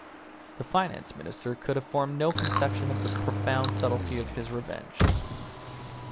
The Finance Minister could have formed no conception of the profound subtlety of his revenge.